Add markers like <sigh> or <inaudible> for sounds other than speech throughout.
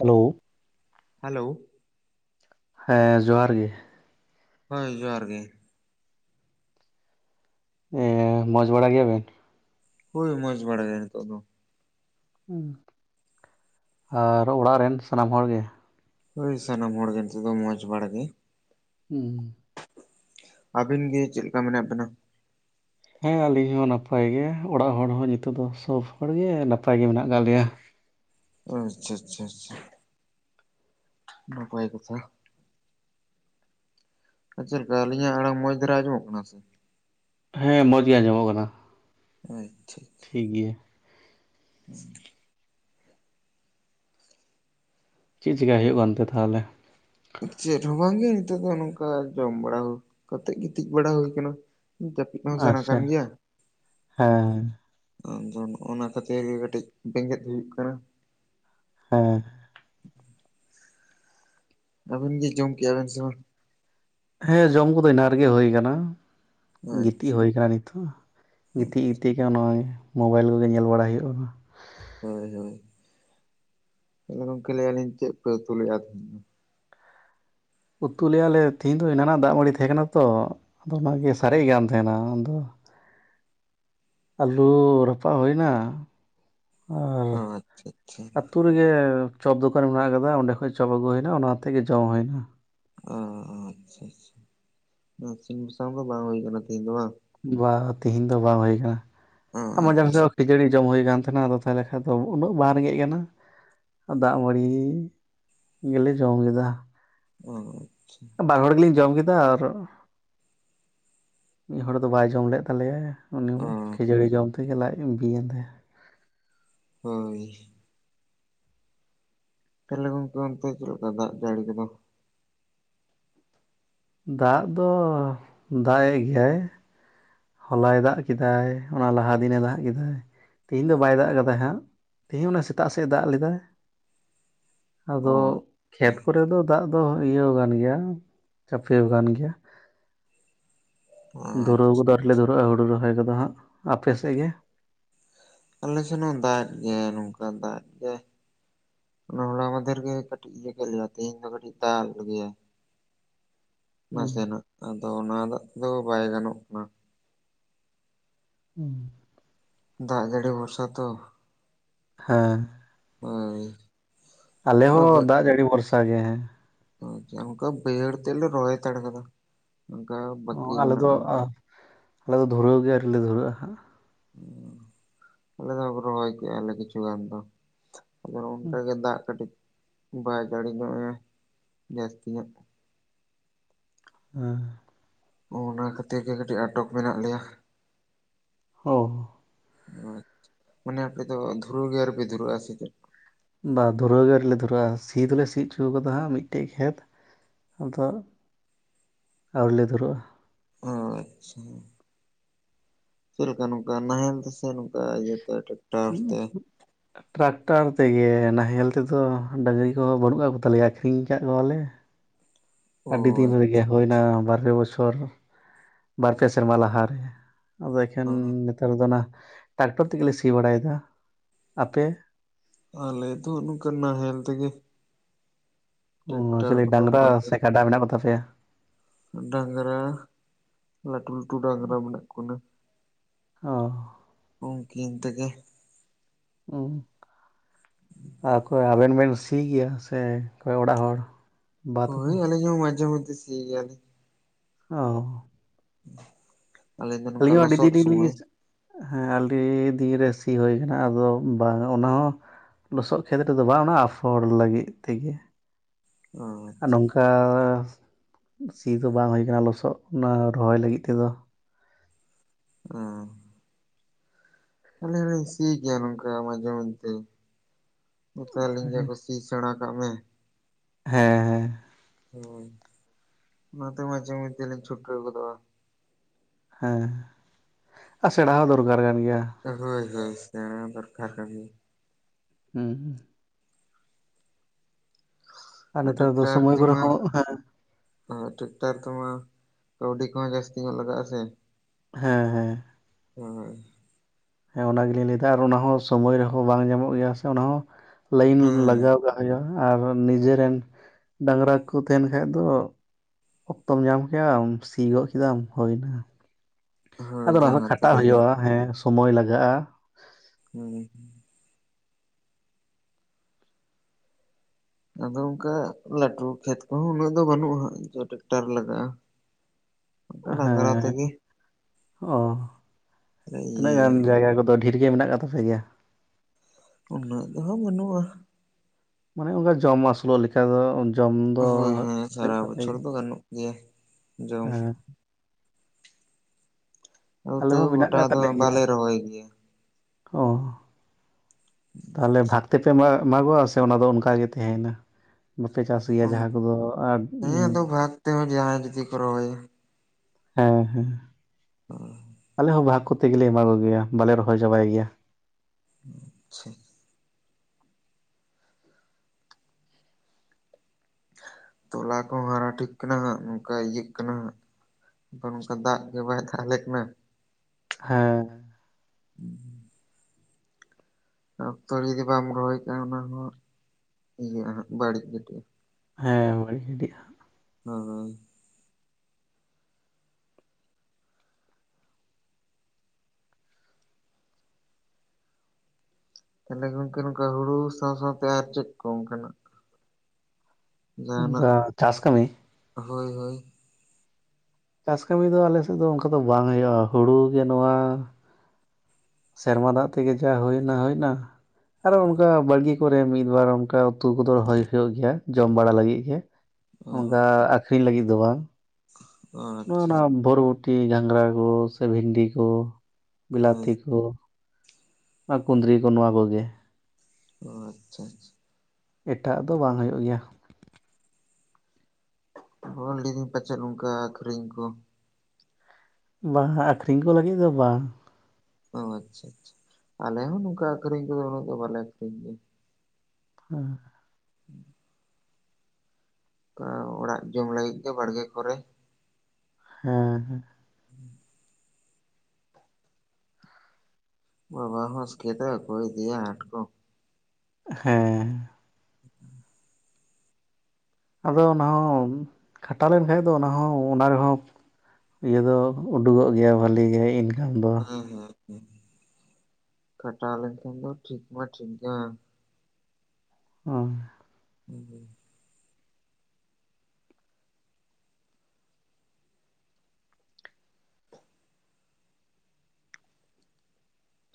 Hello. Hello. ᱦᱮᱸ ᱡᱚᱦᱟᱨ ᱜᱮ᱾ ᱦᱳᱭ ᱡᱚᱦᱟᱨ ᱜᱮ᱾ ᱮᱸ ᱢᱚᱡ ᱵᱟᱲᱟ ᱜᱮᱭᱟᱵᱮᱱ? ᱦᱳᱭ ᱢᱚᱡ ᱵᱟᱲᱟ ᱜᱮ ᱱᱤᱛᱚᱜ ᱫᱚ᱾ ᱟᱨ ᱚᱲᱟᱜ ᱨᱮᱱ ᱥᱟᱱᱟᱢ ᱦᱚᱲ ᱜᱮ? ᱦᱳᱭ ᱥᱟᱱᱟᱢ ᱦᱩᱲ ᱜᱮ ᱱᱤᱛᱚᱜ ᱫᱚ ᱢᱚᱪ ᱵᱟᱲᱟᱜᱮ᱾ ᱦᱩᱸ᱾ ᱟᱵᱤᱱ ᱜᱮ ᱪᱮᱫ ᱞᱮᱠᱟ ᱢᱮᱱᱟᱜ ᱵᱤᱱᱟ? ᱦᱮᱸ ᱟᱹᱞᱤᱧ ᱦᱚᱸ ᱱᱟᱯᱟᱭ ᱜᱮ, ᱚᱲᱟᱜ ᱦᱚᱲ ᱦᱚᱸ ᱱᱤᱛᱚᱜ ᱫᱚ ᱥᱚᱵ ᱦᱚᱲ ᱜᱮ ᱱᱟᱯᱟᱭ ᱜᱮ ᱢᱮᱱᱟᱜ ᱠᱟᱜ ᱞᱮᱭᱟ᱾ ᱳ ᱟᱪᱪᱷᱟᱻᱟᱪᱪᱷᱟᱻᱟᱪᱪᱷᱟ ᱱᱟᱯᱟᱭ ᱠᱟᱛᱷᱟ᱾ ᱟᱨ ᱪᱮᱫ ᱞᱮᱠᱟ ᱟᱹᱞᱤᱧᱟᱜ ᱟᱲᱟᱝ ᱢᱚᱸᱡ ᱫᱷᱟᱨᱟ ᱟᱸᱡᱚᱢᱚᱜ ᱠᱟᱱᱟ ᱥᱮ? ᱦᱮᱸ ᱢᱚᱡ ᱜᱮ ᱟᱸᱡᱚᱢᱚᱜ ᱠᱟᱱᱟ᱾ ᱟᱪᱪᱷᱟᱻᱟᱪᱪᱷᱟ᱾ ᱴᱷᱤᱠ ᱜᱮᱭᱟ᱾ <unintelligible> ᱪᱤᱜ ᱪᱤᱠᱟᱭ ᱦᱩᱭᱩᱜ ᱠᱟᱱᱛᱮ ᱛᱟᱷᱟᱞᱮ? ᱪᱮᱫ ᱦᱚᱸ ᱵᱟᱝᱜᱮ ᱱᱤᱛᱚᱜ ᱫᱚ, ᱱᱚᱝᱠᱟ ᱡᱚᱢ ᱵᱟᱲᱟ ᱠᱟᱛᱮᱜ ᱜᱤᱛᱤᱡ ᱵᱟᱲᱟ ᱦᱩᱭ ᱠᱟᱱᱟ᱾ ᱡᱟᱹᱯᱤᱫ ᱦᱚᱸ ᱥᱟᱱᱟ ᱟᱪᱪᱷᱟ ᱠᱟᱱ ᱜᱮᱭᱟ᱾ ᱦᱮᱸ ᱟᱫᱚ ᱱᱚᱜᱼᱚ ᱱᱟ ᱠᱷᱟᱹᱛᱤᱨ ᱜᱮ ᱠᱟᱹᱴᱤᱡ ᱵᱮᱸᱜᱮᱫ ᱦᱩᱭᱩᱜ ᱠᱟᱱᱟ᱾ ᱦᱮᱸ᱾ ᱟᱵᱤᱱ ᱜᱤ ᱡᱚᱢ ᱠᱮᱜᱟᱵᱮᱱ ᱥᱮ ᱵᱟᱝ? ᱦᱮᱸ ᱡᱚᱢ ᱠᱚᱫᱚ ᱮᱱᱟᱝ ᱨᱮᱜᱮ ᱦᱩᱭ ᱠᱟᱱᱟ, ᱜᱤᱛᱤᱡ ᱟᱪᱪᱷᱟ ᱦᱩᱭ ᱠᱟᱱᱟ ᱱᱤᱛᱚᱜ᱾ ᱜᱤᱛᱤᱡ ᱜᱤᱛᱤᱡ ᱜᱮ ᱱᱚᱭ ᱢᱳᱵᱟᱭᱤᱞ ᱠᱚᱜᱮ ᱧᱮᱞ ᱵᱟᱲᱟᱭ ᱦᱩᱭᱩᱜᱼᱟ᱾ ᱦᱳᱭ ᱦᱳᱭ, ᱜᱚᱝᱠᱮ ᱞᱟᱹᱭ ᱟᱹᱞᱤᱧ ᱪᱮᱫ ᱯᱮ ᱩᱛᱩ ᱞᱮᱜᱼᱟ? ᱩᱛᱩ ᱞᱮᱜᱟᱞᱮ ᱛᱤᱦᱤᱧ ᱫᱚ ᱮᱱᱟ ᱱᱟᱜ ᱫᱟᱜ ᱢᱟᱹᱰᱤ ᱛᱟᱦᱮᱸ ᱠᱟᱱᱟ ᱛᱚ, ᱟᱫᱚ ᱚᱱᱟᱜᱮ ᱥᱟᱨᱮᱡ ᱠᱟᱱ ᱛᱟᱸᱦᱮᱸᱱᱟ ᱟᱫᱚ ᱟᱹᱞᱩ ᱨᱟᱯᱟᱜ ᱦᱩᱭᱱᱟ, ᱟᱨ ᱚ ᱟᱪᱪᱷᱟ ᱟᱪᱪᱷᱟ ᱟᱛᱩ ᱨᱮᱜᱮ ᱪᱚᱯ ᱫᱚᱠᱟᱱ ᱢᱮᱱᱟᱜ ᱠᱟᱫᱟ ᱚᱸᱰᱮ ᱠᱷᱚᱡ ᱪᱚᱯ ᱟᱹᱜᱩ ᱦᱩᱭᱱᱟ ᱚᱱᱟ ᱛᱮᱜᱮ ᱡᱚᱢ ᱦᱩᱭᱱᱟ᱾ ᱚ ᱟᱪᱪᱷᱟ ᱟᱪᱪᱷᱟ, ᱤᱥᱤᱱ ᱵᱟᱥᱟᱝ ᱫᱚ ᱵᱟᱝ ᱦᱩᱭ ᱠᱟᱱᱟ ᱛᱮᱦᱤᱧ ᱫᱚ ᱵᱟᱝ? ᱵᱟ ᱛᱤᱦᱤᱧ ᱫᱚ ᱵᱟᱝ ᱦᱳᱭ ᱚ ᱠᱟᱱᱟ ᱢᱟᱡᱟᱱ ᱥᱮᱜᱦᱚ ᱠᱷᱟᱡᱟᱹᱲᱤ ᱡᱚᱢ ᱦᱳᱭ ᱠᱟᱱ ᱛᱟᱦᱮᱸᱱᱟ, ᱟᱫᱚ ᱛᱟᱦᱚᱞᱮ ᱠᱷᱟᱱ ᱫᱚ ᱩᱱᱟᱹᱜ ᱵᱟᱝ ᱨᱮᱸᱜᱮᱡ ᱠᱟᱱᱟ᱾ ᱫᱟᱜ ᱢᱟᱹᱲᱤ ᱜᱮᱞᱮ ᱡᱚᱢ ᱞᱮᱫᱟ ᱾ ᱚ ᱟᱪᱪᱷᱟ ᱾ ᱵᱟᱨ ᱦᱚᱲ ᱜᱮᱞᱤᱧ ᱡᱚᱢ ᱠᱮᱫᱟ, ᱟᱨ ᱢᱤᱫ ᱦᱚᱲ ᱫᱚ ᱵᱟᱭ ᱡᱚᱢ ᱞᱮᱫ ᱛᱟᱞᱮᱭᱟ ᱾ ᱩᱱᱤ ᱠᱷᱟᱡᱟᱹᱲᱤ ᱡᱚᱢ ᱛᱮᱜᱮ ᱞᱟᱡ ᱵᱤᱭᱮᱱ ᱛᱟᱭᱟ ᱾ ᱦᱳᱭ ᱛᱟᱦᱞᱮ ᱜᱚᱝᱠᱮ ᱚᱱᱛᱮ ᱪᱮᱫ ᱞᱮᱠᱟ ᱫᱟᱜ ᱡᱟᱹᱲᱤ ᱠᱚᱫᱚ? ᱫᱟᱜ ᱫᱚ ᱫᱟᱜᱼᱮᱜ ᱜᱮᱭᱟᱭ ᱾ ᱦᱚᱞᱟᱭ ᱫᱟᱜ ᱠᱮᱫᱟᱭ ᱚᱱᱟ ᱞᱟᱦᱟ ᱫᱤᱱᱮ ᱫᱟᱜ ᱠᱮᱫᱟᱭ ᱛᱤᱦᱤᱧ ᱫᱚ ᱵᱟᱭ ᱫᱟᱜ ᱠᱟᱫᱟ ᱦᱟᱸᱜ ᱾ ᱛᱤᱦᱤᱧ ᱚᱱᱟ ᱥᱮᱛᱟᱜ ᱥᱮᱜ ᱮ ᱫᱟᱜ ᱞᱮᱫᱟ ᱾ ᱚ ᱟᱫᱚ ᱠᱷᱮᱛ ᱠᱚᱨᱮ ᱫᱚ ᱫᱟᱜ ᱫᱚ ᱤᱭᱟᱹᱣ ᱠᱟᱱ ᱜᱮᱭᱟ, ᱪᱟᱯᱮᱣ ᱠᱟᱱ ᱜᱮᱭᱟ ᱾ ᱟᱨ ᱫᱷᱩᱨᱟᱹᱣ ᱠᱚ ᱫᱚ ᱟᱹᱣᱨᱤ ᱞᱮ ᱫᱷᱩᱨᱟᱹᱜᱼᱟ ᱦᱩᱲᱩ ᱨᱚᱦᱚᱭ ᱠᱚᱫᱚ ᱦᱟᱸᱜ ᱾ ᱟᱯᱮ ᱥᱮᱜ ᱜᱮ? ᱟᱞᱮ ᱥᱮᱱ ᱦᱚᱸ ᱫᱟᱜ ᱜᱮᱭᱟᱭ ᱱᱚᱝᱠᱟ ᱫᱟᱜ ᱜᱮ ᱾ ᱚᱱᱟ ᱦᱚᱞᱟ ᱢᱟᱫᱷᱮᱨ ᱜᱮ ᱠᱟᱹᱴᱤᱡ ᱤᱭᱟᱹ ᱠᱮᱜ ᱞᱮᱭᱟ, ᱛᱤᱦᱤᱧ ᱫᱚ ᱠᱟᱹᱴᱤᱡ ᱫᱟᱜ ᱟᱫ ᱞᱮᱜᱮᱭᱟ <unintelligible> ᱱᱟᱥᱮᱱᱟᱜ ᱟᱫᱚ ᱚᱱᱟ ᱫᱟᱜ ᱛᱮᱫᱚ ᱵᱟᱭ ᱜᱟᱱᱚᱜ ᱠᱟᱱᱟ ᱾ ᱩᱻ ᱫᱟᱜ ᱡᱟᱹᱲᱤ ᱵᱷᱚᱨᱥᱟ ᱛᱚ ᱾ ᱦᱮᱸ ᱾ ᱦᱳᱭ ᱾ ᱟᱞᱮ ᱦᱚᱸ ᱫᱟᱜ ᱡᱟᱹᱲᱤ ᱵᱷᱚᱨᱥᱟ ᱜᱮ ᱦᱮᱸ ᱾ ᱟᱪᱪᱷᱟ ᱚᱱᱠᱟ ᱵᱟᱹᱭᱦᱟᱹᱲ ᱛᱮᱜ ᱞᱮ ᱨᱚᱦᱚᱭ ᱦᱟᱛᱟᱲ ᱠᱟᱫᱟ ᱱᱚᱝᱠᱟ ᱚ ᱵᱟᱹᱠᱤ ᱟᱞᱮ ᱫᱚ ᱢᱮᱱᱟᱜᱼᱟ ᱾ ᱟᱞᱮ ᱫᱚ ᱫᱷᱩᱨᱟᱹᱣ ᱜᱮ ᱟᱹᱣᱨᱤ ᱞᱮ ᱫᱷᱩᱨᱟᱹᱜᱼᱟ ᱦᱟᱸᱜ ᱾ ᱟᱞᱮ ᱫᱚ ᱨᱚᱦᱚᱭ ᱠᱮᱜᱼᱟᱞᱮ ᱠᱤᱪᱷᱩ ᱜᱟᱱ ᱫᱚ ᱾ ᱟᱫᱚ ᱚᱱᱠᱟᱜᱮ ᱫᱟᱜ ᱠᱟᱹᱴᱤᱡ ᱵᱟᱭ ᱡᱟᱹᱲᱤ ᱧᱚᱜ ᱮᱫᱟ ᱡᱟᱹᱥᱛᱤ ᱧᱚᱜ ᱾ ᱦᱮᱸ ᱾ ᱚᱱᱟ ᱠᱷᱟᱹᱛᱤᱨ ᱜᱮ ᱠᱟᱹᱴᱤᱡ ᱟᱴᱚᱠ ᱢᱮᱱᱟᱜ ᱞᱮᱭᱟ ᱾ ᱚ ᱾ ᱟᱪᱪᱷᱟ ᱢᱟᱱᱮ ᱟᱯᱮ ᱫᱚ ᱫᱷᱩᱨᱟᱹᱣ ᱜᱮ ᱟᱹᱣᱨᱤ ᱯᱮ ᱫᱷᱩᱨᱟᱹᱜᱼᱟ ᱥᱮ ᱪᱮᱫ? ᱵᱟ ᱫᱷᱩᱨᱟᱹᱣ ᱜᱮ ᱟᱹᱣᱨᱤ ᱞᱮ ᱫᱷᱩᱨᱟᱹᱜᱼᱟ ᱥᱤ ᱫᱚᱞᱮ ᱥᱤ ᱚᱪᱚ ᱠᱟᱫᱟ ᱦᱟᱜ ᱢᱤᱫᱴᱮᱡ ᱠᱷᱮᱛ ᱾ ᱟᱫᱚ ᱟᱣᱨᱤ ᱞᱮ ᱫᱷᱩᱨᱟᱹᱜᱼᱟ ᱾ ᱚ ᱟᱪᱪᱷᱟ ᱾ ᱪᱮᱫ ᱞᱮᱠᱟ ᱱᱚᱝᱠᱟ ᱱᱟᱦᱮᱞ ᱛᱮ ᱥᱮ ᱱᱚᱝᱠᱟ ᱤᱭᱟᱹᱛᱮ ᱴᱮᱠᱴᱟᱨ ᱛᱮ <unintelligible> ᱴᱨᱟᱠᱴᱟᱨ ᱛᱮᱜᱮ ᱱᱟᱦᱮᱞ ᱛᱮᱫᱚ ᱰᱟᱝᱨᱤ ᱠᱚᱦᱚᱸ ᱵᱟᱹᱱᱩᱜ ᱠᱟᱜ ᱠᱚ ᱛᱟᱞᱮᱭᱟ ᱟᱠᱷᱨᱤᱧ ᱠᱟᱜ ᱠᱚᱣᱟᱞᱮ ᱾ ᱚ ᱟᱹᱰᱤ ᱫᱤᱱ ᱟᱪᱪᱷᱟ, ᱨᱮᱜᱮ ᱦᱳᱭᱮᱱᱟ ᱵᱟᱨ ᱯᱮ ᱵᱚᱪᱷᱚᱨ ᱵᱟᱨ ᱯᱮ ᱥᱮᱨᱢᱟ ᱞᱟᱦᱟᱨᱮ ᱾ ᱟᱫᱚ ᱮᱠᱷᱟᱱ ᱱᱮᱛᱟᱨ ᱫᱚ ᱚᱱᱟ ᱴᱟᱠᱴᱚᱨ ᱛᱮ ᱜᱮᱞᱮ ᱥᱤ ᱵᱟᱲᱟᱭ ᱫᱟ ᱾ ᱟᱯᱮ? ᱟᱞᱮ ᱫᱚ ᱱᱚᱝᱠᱟ ᱱᱟᱦᱮᱞ ᱛᱮᱜᱮ ᱾ ᱚ ᱪᱮᱞᱮ ᱠᱚᱫᱚ ᱰᱟᱝᱨᱟ ᱵᱟᱝᱜᱮ ᱥᱮ ᱠᱟᱰᱟ ᱢᱮᱱᱟᱜ ᱠᱚ ᱛᱟᱯᱮᱭᱟ? ᱰᱟᱝᱨᱟ ᱞᱟᱹᱴᱩ ᱞᱟᱹᱴᱩ ᱰᱟᱝᱨᱟ ᱢᱮᱱᱟᱜ ᱠᱤᱱᱟ ᱾ ᱚ ᱩᱝᱠᱤᱱ ᱛᱮᱜᱮ ᱾ ᱚ ᱾ ᱚᱠᱚᱭ ᱟᱵᱮᱱ ᱵᱮᱱ ᱥᱤ ᱜᱮᱭᱟ ᱥᱮ ᱚᱠᱚᱭ ᱚᱲᱟᱜ ᱦᱚᱲ? ᱵᱟ ᱛᱟᱠᱚ ᱦᱳᱭ ᱟᱞᱤᱧ ᱦᱚᱸ ᱢᱟᱡᱷᱮ ᱢᱚᱫᱫᱷᱮ ᱥᱤ ᱜᱮᱭᱟᱞᱤᱧ ᱾ ᱚᱻ ᱟᱞᱮ ᱫᱚ ᱱᱚᱝᱠᱟ ᱟᱹᱞᱤᱧ ᱦᱚᱸ ᱟᱹᱰᱤ ᱞᱚᱥᱚᱫ ᱫᱤᱱ ᱥᱳᱢᱳᱭ ᱨᱮᱞᱤᱧ ᱾ ᱦᱮᱸ ᱟᱹᱰᱤ ᱫᱤᱱ ᱨᱮ ᱥᱤ ᱦᱳᱭ ᱠᱟᱱᱟ ᱟᱫᱚ ᱵᱟᱝ ᱾ ᱚᱱᱟ ᱦᱚᱸ ᱞᱚᱥᱚᱫ ᱠᱷᱮᱛ ᱨᱮᱫᱚ ᱵᱟᱝ, ᱚᱱᱟ ᱟᱯᱷᱚᱨ ᱞᱟᱹᱜᱤᱫ ᱛᱮᱜᱮ ᱾ ᱟᱨ ᱱᱚᱝᱠᱟ ᱥᱤ ᱠᱚ ᱵᱟᱝ ᱦᱩᱭ ᱟᱠᱟᱱᱟ ᱞᱚᱥᱚᱫ ᱚᱱᱟ ᱨᱚᱦᱚᱭ ᱞᱟᱹᱜᱤᱫ ᱛᱮᱫᱚ᱾ ᱚ ᱟᱞᱮ ᱞᱮ ᱥᱤ ᱮ ᱜᱮᱭᱟ ᱱᱚᱝᱠᱟ ᱢᱟᱡᱷᱮ ᱢᱚᱫᱷᱮ <unintelligible> ᱞᱤᱧ ᱜᱮ ᱠᱚ ᱥᱤ ᱥᱮᱸᱲᱟ ᱠᱟᱜ ᱢᱮ ᱦᱮᱸ ᱦᱮᱸ ᱦᱩᱭ ᱚᱱᱟᱛᱮ ᱢᱟᱡᱷᱮ ᱢᱚᱽᱫᱷᱮ ᱞᱤᱧ ᱪᱷᱩᱴᱟᱹᱣ ᱜᱚᱫᱚᱜᱼᱟ᱾ ᱦᱮᱸ ᱟᱨ ᱥᱮᱬᱟ ᱦᱚᱸ ᱫᱚᱨᱠᱟᱨ ᱠᱟᱱ ᱜᱮᱭᱟ ᱦᱳᱭ ᱦᱳᱭ ᱥᱮᱸᱲᱟ ᱫᱚᱨᱠᱟᱨ ᱠᱟᱱᱟ ᱜᱮᱭᱟ᱾ ᱩᱸᱻ ᱟᱨ ᱱᱮᱛᱟᱨ ᱫᱚ ᱴᱮᱠᱴᱟᱨ ᱥᱚᱢᱚᱭ ᱛᱮ ᱠᱚᱨᱮ ᱢᱟ ᱦᱚᱸ ᱦᱮᱸ ᱴᱮᱠᱴᱟᱨ ᱛᱮᱢᱟ ᱠᱟᱹᱣᱰᱤ ᱠᱚᱦᱚᱸ ᱡᱟᱹᱥᱛᱤ ᱧᱚᱜ ᱞᱟᱜᱟᱜᱼᱟ ᱥᱮ ᱦᱮᱸ ᱦᱮᱸ <unintelligible> ᱦᱮᱸ ᱚᱱᱟ ᱜᱮᱞᱤᱧ ᱞᱟᱹᱭᱫᱟ ᱟᱨ ᱚᱱᱟ ᱦᱚᱸ ᱥᱚᱢᱚᱭ ᱦᱚᱸ ᱵᱟᱝ ᱧᱟᱢᱚᱜ ᱜᱮᱭᱟ ᱥᱮ ᱚᱱᱟ ᱦᱚᱸ ᱞᱟᱭᱤᱱ ᱦᱮᱸ ᱞᱟᱜᱟᱣᱟᱠᱟᱜ ᱟᱨ ᱱᱤᱡᱮᱨᱮᱱ ᱰᱟᱝᱨᱟ ᱠᱩ ᱛᱟᱦᱮᱱ ᱠᱷᱟᱡ ᱫᱚ ᱚᱠᱛᱚᱢ ᱧᱟᱢ ᱠᱮᱜᱼᱟ ᱥᱤ ᱜᱚᱜ ᱠᱮᱫᱟᱢ ᱦᱩᱭᱱᱟ ᱦᱳᱭ ᱟᱫᱚ ᱟᱨᱚᱦᱚ ᱡᱟᱦᱟᱸ ᱛᱤ ᱠᱷᱟᱴᱟᱜ ᱨᱮᱜᱮ ᱦᱩᱭᱩᱜᱼᱟ ᱦᱮᱸ ᱥᱚᱢᱚᱭ ᱞᱟᱜᱟᱜᱼᱟ ᱦᱩᱸ ᱟᱫᱚ ᱚᱝᱠᱟ ᱞᱮᱴ ᱨᱩᱢ ᱠᱷᱮᱛ ᱠᱚᱦᱚᱸ ᱩᱱᱟᱹᱜ ᱫᱚ ᱵᱟᱹᱱᱩᱜᱼᱟ ᱦᱟᱸᱜ ᱴᱨᱠᱴᱟᱨ ᱞᱟᱜᱟᱜᱼᱟ ᱾ ᱦᱮᱸ ᱚ ᱞᱮ ᱛᱤᱱᱟᱹᱜ ᱜᱟᱱ ᱤᱭᱟᱹᱭᱟ ᱡᱟᱭᱜᱟ ᱠᱚᱫᱚ ᱰᱷᱮᱨ ᱜᱮ ᱢᱮᱱᱟᱜ ᱠᱚᱛᱟᱯᱮ ᱜᱮᱭᱟ ᱾ ᱩᱱᱟᱜ ᱫᱚ ᱦᱟᱸᱜ ᱵᱟᱹᱱᱩᱜᱼᱟ ᱢᱟᱱᱮ ᱚᱝᱠᱟ ᱡᱚᱢ ᱟᱹᱥᱩᱞᱚᱜ ᱞᱮᱠᱟ ᱫᱚ ᱡᱚᱢ ᱫᱚ ᱦᱳᱭ ᱦᱳᱭ ᱦᱩᱭᱩᱜ ᱥᱟᱨᱟ ᱛᱟᱯᱮ ᱵᱚᱪᱷᱚᱨ ᱜᱮᱭᱟ ᱫᱚ ᱜᱟᱱᱚᱜ ᱜᱮᱭᱟ ᱡᱚᱢ ᱾ ᱦᱮᱸ ᱟᱫᱚ ᱟᱞᱮ ᱛᱟᱹᱣ ᱦᱚᱸ ᱢᱮᱱᱟᱜ ᱜᱚᱴᱟ ᱠᱟᱜ ᱫᱚ ᱛᱟᱞᱮ ᱜᱮᱭᱟ। ᱵᱟᱞᱮ ᱨᱚᱦᱚᱭ ᱜᱮᱭᱟ ᱚ, ᱛᱟᱦᱚᱞᱮ ᱵᱷᱟᱜᱛᱮ, ᱯᱮ ᱮᱢᱟᱜ। ᱮᱢᱟᱜᱚᱜᱼᱟ ᱥᱮ ᱚᱱᱟᱫᱚ ᱚᱱᱠᱟᱜ ᱜᱮ ᱛᱮᱭᱱᱟ ᱵᱟᱯᱮ ᱪᱟᱥ ᱜᱮᱭᱟ ᱡᱟᱦᱟᱸ ᱠᱚᱫᱚ ᱟᱨ। ᱛᱚ ᱡᱟᱦᱟᱭ ᱡᱩᱫᱤ ᱠᱚ ᱨᱚᱦᱟᱭᱟ। ᱦᱮᱸ ᱦᱮᱸ। ᱟᱨ <inaudible> <unintelligible> ᱟᱞᱮ ᱦᱚᱸ, ᱵᱷᱟᱜᱽ ᱠᱚᱛᱮ ᱜᱮᱞᱮ ᱮᱢᱟ ᱠᱚᱜᱮᱭᱟ, ᱵᱟᱞᱮ ᱨᱚᱦᱚᱭ ᱪᱟᱵᱟᱭ ᱜᱮᱭᱟ। <unintelligible> ᱛᱚᱞᱟ ᱠᱚᱦᱚᱸ ᱦᱟᱨᱟ ᱴᱷᱤᱠ ᱠᱟᱱᱟ, ᱦᱟᱸᱜ ᱱᱚᱝᱠᱟ ᱤᱭᱟᱹᱜ ᱠᱟᱱᱟ। ᱟᱫᱚ ᱱᱟᱝᱠᱟ ᱫᱟᱜ ᱜᱮ ᱵᱟᱭ ᱫᱟᱜ ᱟᱞᱮ ᱠᱟᱱᱟ। ᱦᱮᱸ। ᱦᱩᱸ, ᱦᱩᱸ। ᱚᱠᱛᱚ ᱡᱩᱫᱤ ᱵᱟᱢ ᱨᱚᱦᱚᱭ ᱠᱷᱟᱜ ᱚᱱᱟ ᱦᱚᱸ ᱤᱭᱟᱹᱜᱼᱟ ᱦᱟᱸᱜ ᱵᱟᱹᱲᱤᱡ ᱜᱰᱤᱤᱡᱼᱟ। ᱦᱮᱸ ᱵᱟᱲᱤᱡ ᱜᱤᱰᱤᱡᱼ ᱟ। ᱨᱚᱦᱚᱭ। ᱛᱟᱦᱚᱞᱮ ᱜᱚᱝᱠᱮ ᱱᱚᱝᱠᱟ ᱦᱳᱲᱩ ᱥᱟᱶ ᱥᱟᱶᱛᱮ, ᱟᱨ ᱪᱮᱫ ᱠᱚ ᱚᱱᱠᱟᱱᱟᱜ। ᱡᱟᱦᱱᱟᱜ ᱚᱱᱠᱟ ᱪᱟᱥ ᱠᱟᱹᱢᱤ ᱦᱳᱭ ᱦᱳᱭ। ᱪᱟᱥ ᱠᱟᱹᱢᱤ ᱫᱚ ᱟᱞᱮ ᱥᱮᱫ ᱫᱚ ᱚᱱᱠᱟ ᱫᱚ ᱵᱟᱝ ᱦᱳᱭᱳᱜᱼᱟ, ᱦᱳᱲᱩ ᱜᱮ ᱱᱚᱣᱟ। ᱥᱮᱨᱢᱟ ᱫᱟᱜ ᱛᱮᱜᱮ ᱡᱟ ᱦᱩᱭᱱᱟ ᱦᱩᱭᱱᱟ। ᱟᱨᱚ ᱚᱱᱠᱟ ᱵᱟᱲᱜᱮ ᱠᱚᱨᱮ ᱢᱤᱫ ᱵᱟᱨ ᱚᱱᱠᱟ ᱩᱛᱩ ᱠᱚᱫᱚ ᱨᱚᱦᱚᱭ ᱦᱩᱭᱩᱜ ᱜᱮᱭᱟ ᱡᱚᱢ ᱵᱟᱲᱟ ᱞᱟᱹᱜᱤᱫ ᱜᱮ। ᱚ ᱚᱝᱠᱟ ᱟᱠᱷᱨᱤᱧ ᱞᱟᱹᱜᱤᱫ ᱫᱚ ᱵᱟᱝ? ᱚ ᱱᱚᱜᱚᱭ ᱟᱪᱪᱷᱟ ᱚᱱᱟ ᱵᱚᱨᱵᱚᱴᱤ ᱜᱷᱟᱸᱝᱽᱨᱟ ᱠᱚ ᱥᱮ ᱵᱷᱤᱱᱰᱤ ᱠᱚ ᱦᱳᱭ ᱵᱤᱞᱟᱛᱤ ᱠᱚ। ᱟᱨ ᱠᱩᱫᱽᱨᱤ ᱠᱚ ᱱᱚᱣᱟ ᱠᱚᱜᱮ ᱾ ᱚ ᱟᱪᱪᱷᱟ ᱟᱪᱪᱷᱟ᱾ ᱮᱴᱟᱜ ᱫᱚ ᱵᱟᱝ ᱦᱩᱭᱩᱜ ᱜᱮᱭᱟ᱾ ᱦᱚᱸ ᱞᱟᱹᱭᱫᱤᱧ ᱯᱟᱪᱮᱠ ᱚᱝᱠᱟ ᱟᱹᱠᱷᱨᱤᱧ ᱠᱚ᱾ ᱵᱟᱦ ᱟᱠᱷᱨᱤᱧ ᱠᱚ ᱞᱟᱹᱜᱤᱫ ᱫᱚ ᱵᱟᱝ ᱾ ᱚ ᱟᱪᱪᱷᱟ ᱟᱪᱪᱷᱟ ᱟᱞᱮ ᱦᱚᱸ ᱱᱚᱝᱠᱟ ᱟᱠᱷᱨᱤᱧ ᱠᱚᱫᱚ ᱩᱱᱟᱹᱜ ᱫᱚ ᱵᱟᱞᱮ ᱟᱠᱷᱨᱤᱧ ᱜᱮᱭᱟ ᱾ ᱦᱩᱸ ᱾ <inaudible> ᱚᱲᱟᱜ ᱡᱚᱢ ᱞᱟᱹᱜᱤᱫ ᱜᱮ ᱵᱟᱲᱜᱮ ᱠᱚᱨᱮ ᱾ ᱦᱮᱸ ᱦᱮᱸ <inaudible> ᱵᱟᱵᱟ ᱦᱚᱸ ᱟᱥᱠᱮᱫᱚᱟᱭ ᱚᱠᱚᱭ ᱤᱫᱤᱭᱟ ᱦᱟᱴ ᱠᱚ᱾ ᱦᱮᱸ <inaudible> ᱟᱫᱚ ᱚᱱᱟᱦ ᱠᱷᱟᱴᱟᱣ ᱞᱮᱱᱠᱷᱟᱡ ᱫᱚ ᱚᱱᱟ ᱦᱚᱸ ᱚᱱᱟ ᱨᱮᱦᱚᱸ ᱤᱭᱟᱹ ᱫᱚ ᱩᱰᱩᱠᱚᱜ ᱜᱮᱭᱟ ᱵᱷᱟᱹᱞᱤ ᱜᱮ, ᱤᱱ ᱦᱮᱸ ᱦᱮᱸ ᱦᱨᱠᱤ ᱠᱟᱟᱴᱟᱣ ᱞᱮᱱᱠᱷᱟᱱ ᱫᱚ ᱴᱷᱤᱠ ᱢᱟ ᱴᱷᱤᱠ ᱜᱮᱭᱟ᱾ ᱦᱚ ᱦᱩᱸ ᱦᱩᱸ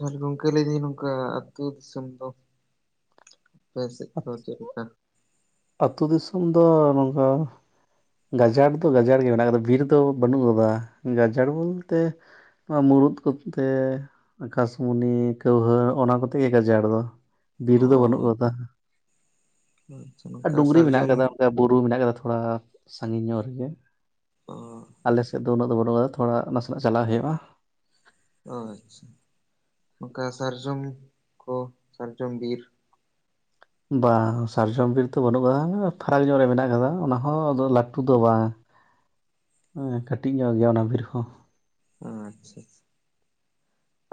ᱟᱨ ᱜᱚᱝᱠᱮ ᱞᱟ. ᱭᱫᱟᱹ ᱱᱝᱠᱟ ᱟᱛᱩ ᱫᱤᱥᱚᱢ ᱫᱚ ᱟᱯᱮ ᱥᱮᱡᱽ ᱫᱚ ᱪᱮᱫ ᱞᱮᱠᱟ? ᱟᱛᱩ ᱫᱤᱥᱚᱢ ᱫᱚ ᱱᱚᱝᱠᱟ ᱜᱟᱡᱟᱲ ᱫᱚ ᱜᱟᱡᱟᱲ ᱜᱮᱭᱟ ᱢᱮᱱᱟᱜ ᱠᱟᱫᱟ, ᱵᱤᱨ ᱫᱚ ᱵᱟᱹᱱᱩᱜ ᱠᱟᱫᱟ ᱜᱟᱡᱟᱲ ᱵᱚᱞᱛᱮ ᱱᱚᱣᱟ ᱢᱩᱨᱩᱫ ᱠᱚᱛᱮ ᱟᱠᱟᱥᱢᱩᱱᱤ ᱠᱟᱹᱣᱦᱟᱹ ᱚᱱᱟ ᱠᱚᱛᱮ ᱜᱮ ᱜᱟᱡᱟᱲ ᱫᱚ, ᱵᱤᱨ ᱚ ᱫᱚ ᱵᱟᱹᱱᱩᱜ ᱠᱟᱫᱟ᱾ ᱦᱩᱸ ᱟᱪᱪᱦᱟ ᱟᱨ ᱰᱩᱝᱨᱤ ᱢᱮᱱᱟᱜ ᱠᱟᱫᱟ ᱚᱱᱠᱟ ᱵᱩᱨᱩ ᱢᱮᱱᱟᱜ ᱠᱟᱫᱟ ᱛᱷᱚᱲᱟ ᱥᱟᱺᱜᱤᱧ ᱧᱚᱜ ᱨᱮᱜᱮ᱾ ᱚ ᱟᱞᱮᱥᱮᱫ ᱫᱚ ᱩᱱᱟᱹᱜ ᱫᱚ ᱵᱟᱹᱱᱩᱜ ᱟ ᱛᱷᱚᱲᱟ ᱱᱟᱥᱮᱱᱟᱜ ᱪᱟᱞᱟᱜ ᱦᱩᱭᱩᱜᱼᱟ᱾ ᱚ ᱟᱪᱪᱷᱟ, ᱱᱚᱠᱟ ᱥᱟᱨᱡᱚᱢ ᱠᱚ ᱥᱟᱨᱡᱚᱢ ᱵᱤᱨ? ᱵᱟᱝ ᱥᱟᱨᱡᱚᱢ ᱵᱤᱨ ᱫᱚ ᱵᱟᱹᱱᱩᱜ ᱟᱠᱟᱫᱟ ᱯᱷᱟᱨᱟᱠ ᱧᱚᱜ ᱨᱮ ᱢᱮᱱᱟᱜ ᱟᱠᱟᱫᱟ ᱚᱱᱟ ᱦᱚᱸ ᱞᱟᱹᱴᱩ ᱫᱚ ᱵᱟᱝ ᱦᱮᱸ ᱠᱟᱹᱴᱤᱡ ᱧᱚᱜ ᱜᱮᱭᱟ ᱚᱱᱟ ᱵᱤᱨ ᱦᱚᱸ᱾ ᱚ ᱟᱪᱪᱷᱟ ᱟᱪᱪᱷᱟ᱾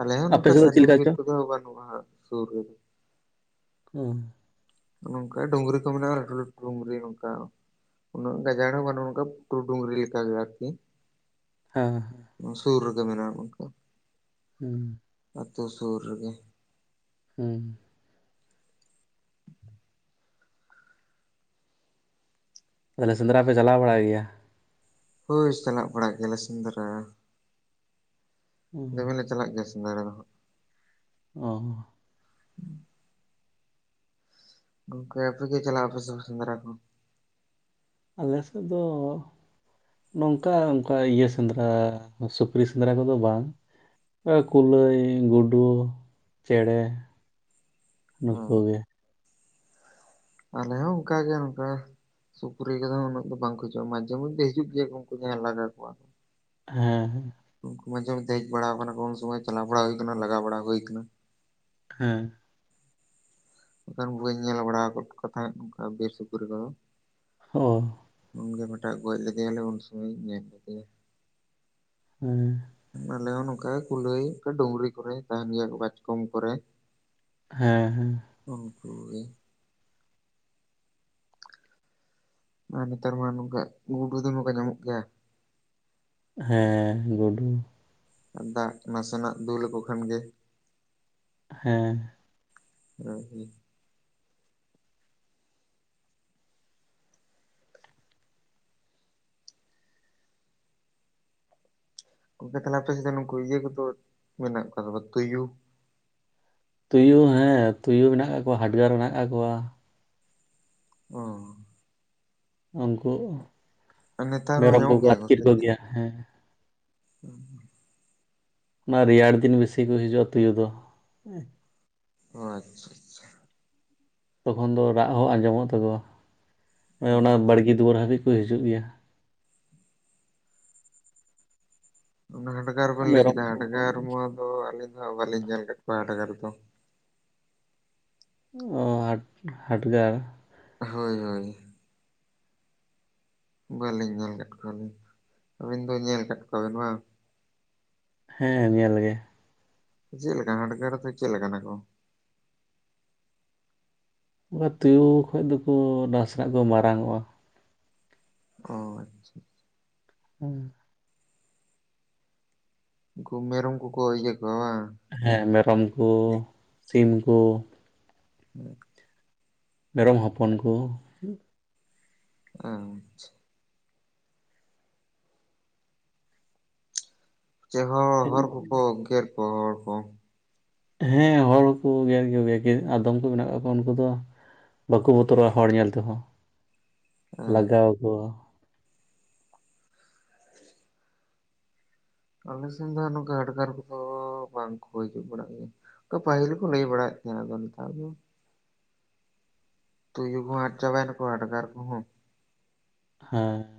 ᱟᱞᱮ ᱦᱚᱸ ᱟᱯᱮ ᱱᱚᱝᱠᱟ ᱥᱮᱫ ᱫᱚ ᱪᱮᱫ ᱥᱟᱨᱡᱚᱢ ᱵᱤᱨ ᱞᱮᱠᱟ ᱠᱚᱫᱚ ᱵᱟᱹᱱᱩᱜᱼᱟ ᱦᱟᱸᱜ ᱥᱩᱨ ᱨᱮᱫᱚ᱾ ᱚ ᱱᱚᱝᱠᱟ ᱰᱩᱝᱨᱤ ᱠᱚ ᱢᱮᱱᱟᱜᱼᱟ ᱞᱟᱹᱴᱩ ᱞᱟᱹᱴᱩ ᱰᱩᱝᱨᱤ ᱱᱚᱝᱠᱟ᱾ ᱩᱱᱟᱹᱜ ᱜᱟᱡᱟᱲ ᱦᱚᱸ ᱵᱟᱱᱩᱜ-ᱟ ᱚᱱᱠᱟ ᱯᱩᱴᱩᱨ ᱰᱩᱜᱨᱤ ᱞᱮᱠᱟ ᱜᱮ ᱟᱨᱠᱤ᱾ ᱦᱮᱸ ᱦᱮᱸ ᱥᱩᱨ ᱨᱮᱜᱮ ᱢᱮᱱᱟᱜᱼᱟ ᱚᱱᱠᱟ᱾ ᱦᱩᱸ ᱟᱛᱳ ᱥᱩᱨ ᱨᱮᱜᱮ᱾ ᱦᱩᱸ ᱛᱟᱦᱚᱞᱮ ᱥᱮᱸᱫᱽᱨᱟ ᱯᱮ ᱪᱟᱞᱟᱣ ᱵᱟᱲᱟᱭ ᱜᱮᱭᱟ? ᱦᱳᱭ ᱥᱮᱱᱚᱜ ᱵᱟᱲᱟᱜ ᱜᱮᱭᱟᱞᱮ ᱥᱮᱸᱫᱽᱨᱟ᱾ ᱦᱩᱸ ᱫᱚᱢᱮ ᱞᱮ ᱪᱟᱞᱟᱜ ᱜᱮᱭᱟ ᱥᱮᱸᱫᱽᱨᱟ ᱫᱚ ᱦᱟᱜ᱾ ᱚ ᱜᱚᱝᱠᱮ ᱟᱯᱮ ᱜᱮ ᱪᱟᱞᱟᱜ ᱟᱯᱮ ᱥᱮ ᱵᱟᱝ ᱥᱮᱸᱫᱽᱨᱟ ᱠᱚ? ᱟᱞᱮ ᱥᱮᱡ ᱫᱚ ᱜᱚᱝᱠᱮ ᱱᱚᱝᱠᱟ ᱚᱱᱠᱟ ᱤᱭᱟᱹ ᱥᱮᱸᱫᱽᱨᱟ ᱥᱩᱠᱨᱤ ᱥᱮᱸᱫᱽᱨᱟ ᱠᱚᱫᱚ ᱵᱟᱝ᱾ ᱮ ᱠᱩᱞᱟᱹᱭ ᱜᱩᱰᱩ ᱪᱮᱬᱮ ᱱᱩᱠᱩ ᱜᱮ᱾ ᱟᱞᱮ ᱦᱚᱸ ᱚᱱᱠᱟ ᱜᱮ ᱟᱱᱠᱟ, ᱥᱩᱠᱨᱤ ᱠᱚᱫᱚ ᱩᱱᱟᱹᱜ ᱫᱚ ᱵᱟᱝ ᱠᱚ ᱦᱤᱡᱩᱜᱼᱟ ᱢᱟᱡᱷᱮ ᱢᱚᱫᱽᱷᱮ ᱦᱤᱡᱩᱜ ᱜᱮᱭᱟ ᱩᱱᱠᱩ ᱡᱟᱦᱟᱸᱭ ᱞᱟᱜᱟ ᱠᱚᱣᱟ᱾ ᱦᱮᱸ ᱦᱮᱸ ᱩᱱᱠᱩ ᱢᱟᱡᱷᱮ ᱢᱳᱫᱷᱮ ᱦᱮᱡ ᱵᱟᱲᱟᱣ ᱠᱟᱱᱟᱠᱩ ᱩᱱ ᱥᱚᱢᱚᱭ ᱪᱟᱞᱟᱣ ᱵᱟᱲᱟᱣ ᱦᱩᱭ ᱠᱟᱱᱟ ᱞᱟᱜᱟᱣ ᱵᱟᱲᱟ ᱦᱩᱭ ᱠᱟᱱᱟ᱾ ᱦᱮᱸ ᱮᱱᱠᱷᱟᱱ ᱵᱟᱹᱧ ᱧᱮᱞ ᱵᱟᱲᱟᱣ ᱟᱠᱟᱫ ᱠᱚ ᱛᱟᱦᱮᱸᱫ ᱵᱤᱨ ᱥᱩᱠᱨᱤ ᱠᱚᱫᱚ᱾ ᱦᱚᱸ ᱩᱱᱜᱮ ᱢᱮᱴᱟᱜ ᱜᱚᱡ ᱞᱮᱫᱮᱭᱟᱞᱮ ᱩᱱ ᱥᱚᱢᱚᱭᱤᱧ ᱧᱮᱞ ᱞᱮᱫᱮᱭᱟ᱾ ᱦᱮᱸ ᱟᱞᱮ ᱦᱚᱸ ᱱᱚᱝᱠᱟ ᱠᱩᱞᱟᱹᱭ ᱰᱩᱝᱨᱤ ᱠᱚᱨᱮ ᱛᱟᱦᱮᱱ ᱜᱮᱭᱟᱠᱚ ᱵᱟᱪᱠᱚᱢ ᱠᱚᱨᱮ ᱦᱮᱸ ᱩᱱᱠᱩ ᱜᱮ ᱟᱨ ᱱᱮᱛᱟᱨ ᱢᱟ ᱱᱚᱝᱠᱟ ᱜᱩᱰᱩ ᱫᱚᱢᱮ ᱠᱚ ᱧᱟᱢᱚᱜ ᱜᱮᱭᱟ ᱦᱮᱸ ᱜᱩᱰᱩ ᱟᱨ ᱫᱟᱜ ᱱᱟᱥᱮᱱᱟᱜ ᱫᱩᱞ ᱟᱠᱚ ᱠᱷᱟᱱ ᱜᱮ ᱦᱮᱸ <unintelligible> ᱜᱚᱝᱠᱮ ᱛᱟᱦᱚᱞᱮ ᱟᱯᱮ ᱥᱮᱫ ᱫᱚ ᱱᱩᱠᱩ ᱤᱭᱟᱹ ᱠᱚᱫᱚ ᱢᱮᱱᱟᱜ ᱠᱚᱣᱟ ᱥᱮ ᱵᱟᱝ ᱛᱩᱭᱩ ᱛᱩᱭᱩ ᱦᱮᱸ ᱛᱩᱭᱩ ᱢᱮᱱᱟᱜ ᱠᱟᱜ ᱠᱚᱣᱟ ᱦᱟᱰᱜᱟᱨ ᱢᱮᱱᱟᱜ ᱠᱟᱜ ᱠᱚᱣᱟ ᱚᱸ ᱩᱱᱠᱩ ᱟᱨ ᱱᱮᱛᱟᱨ ᱦᱚᱸ ᱢᱮᱨᱚᱢ ᱧᱟᱢᱚᱜ ᱠᱚᱠᱚ ᱜᱮᱭᱟ ᱠᱚ ᱟᱹᱛᱠᱤᱨ ᱥᱮ ᱪᱮᱫ ᱠᱚᱜᱮᱭᱟ ᱦᱮᱸ <inaudible> ᱟᱨ ᱨᱮᱭᱟᱲ ᱫᱤᱱ ᱵᱮᱥᱤ ᱠᱚ ᱦᱤᱡᱩᱜᱼᱟ ᱛᱩᱭᱩ ᱫᱚ ᱟᱪᱪᱷᱟ ᱟᱪᱪᱷᱟ ᱛᱚᱠᱷᱚᱱ ᱫᱚ ᱨᱟᱜ ᱦᱚᱸ ᱟᱸᱡᱚᱢᱚᱜ ᱛᱟᱠᱚᱣᱟ ᱚ ᱚᱱᱟ ᱵᱟᱲᱜᱮ ᱫᱩᱣᱟᱹᱨ ᱦᱟᱹᱵᱤᱡ ᱠᱚ ᱦᱤᱡᱩᱜ ᱜᱮᱭᱟ ᱚᱱᱟ ᱦᱟᱰᱜᱟᱨ ᱵᱮᱱ ᱞᱟᱹᱭ ᱢᱮᱨᱚᱢ ᱠᱮᱫᱟ ᱠᱚ ᱦᱟᱰᱜᱟᱨ ᱢᱟ ᱫᱚ ᱟᱹᱞᱤᱧ ᱢᱟ ᱵᱟᱹᱞᱤᱧ ᱧᱮᱞ ᱠᱟᱜ ᱠᱚᱣᱟ ᱦᱟᱰᱜᱟᱨ ᱫᱚ ᱚᱸ ᱦᱟᱰ ᱦᱟᱰᱜᱟᱨ ᱦᱳᱭ ᱦᱳᱭ ᱵᱟᱹᱞᱤᱧ ᱧᱮᱞ ᱠᱟᱜ ᱠᱚᱣᱟᱞᱤᱧ ᱟᱹᱵᱤᱱ ᱫᱚ ᱧᱮᱞ ᱠᱟᱜ ᱠᱚᱣᱟᱵᱤᱱ ᱵᱟᱝ ᱦᱮᱸ ᱧᱮᱞ ᱜᱮ ᱪᱮᱫ ᱞᱮᱠᱟᱱ ᱦᱟᱰᱜᱟᱨ ᱫᱚ ᱪᱮᱫ ᱞᱮᱠᱟᱱᱟ ᱠᱚ ᱛᱩᱭᱩ ᱠᱷᱚᱡ ᱫᱚᱠᱚ ᱱᱟᱥᱮᱸᱱᱟᱜ ᱠᱚ ᱢᱟᱨᱟᱝ ᱚᱜᱼᱟ ᱦᱚᱸ ᱟᱪᱪᱷᱟ ᱦᱩᱸ ᱩᱱᱠᱩ ᱢᱮᱨᱚᱢ ᱠᱚ ᱠᱚ ᱤᱭᱟᱹ ᱠᱚᱣᱟ ᱵᱟᱝ ᱦᱮᱸ ᱢᱮᱨᱚᱢ ᱠᱚ ᱥᱤᱢ ᱠᱚ <unintelligible> ᱢᱮᱨᱚᱢ ᱦᱚᱯᱚᱱ ᱠᱩ ᱟᱸᱡ <unintelligible> ᱪᱮᱦᱚᱸ ᱦᱮᱸ ᱦᱚᱲ ᱠᱚᱠᱚ ᱜᱮᱨ ᱠᱚᱣᱟ ᱦᱚᱲ ᱠᱚ ᱦᱮᱸ ᱦᱚᱲᱠᱚ ᱜᱮᱨ ᱠᱚᱜᱮ ᱟᱫᱚᱢ ᱠᱚ ᱢᱮᱱᱟᱜ ᱠᱟᱜ ᱠᱚᱣᱟ ᱩᱱᱠᱩ ᱫᱚ ᱵᱟᱠᱩ ᱵᱚᱛᱚᱨᱚᱜᱼᱟ ᱦᱚᱲ ᱧᱮᱞ ᱛᱮᱦᱚᱸ ᱞᱟᱜᱟᱣ ᱟᱠᱚ <inaudible> ᱟᱞᱮ ᱥᱮᱱ ᱫᱚ ᱱᱚᱝᱠᱟ ᱦᱟᱰᱜᱟᱨ ᱠᱚᱫᱚ ᱵᱟᱝ ᱠᱚ ᱦᱤᱡᱩᱜ ᱵᱟᱲᱟᱜ ᱜᱮᱭᱟ ᱯᱟᱹᱦᱤᱞ ᱠᱚ ᱞᱟᱹᱭ ᱵᱟᱲᱟᱭᱮᱫ ᱛᱟᱦᱮᱱᱟ ᱟᱫᱚ ᱱᱮᱛᱟᱨ ᱫᱚ ᱛᱩᱭᱩ ᱠᱚ ᱟᱫ ᱪᱟᱵᱟᱭᱮᱱᱟ ᱠᱚ ᱦᱟᱰᱜᱟᱨ ᱠᱚᱦᱚᱸ ᱦᱮᱸ